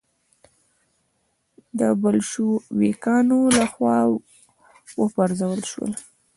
د بلشویکانو له خوا و پرځول شو.